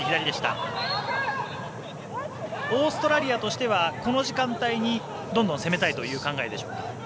オーストラリアとしてはこの時間帯にどんどん攻めたいという考えでしょうか。